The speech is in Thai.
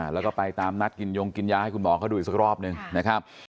แล้วก็ไปตามนัดกินยงกินยาให้คุณหมอเขาดูอีกสักรอบหนึ่งนะครับ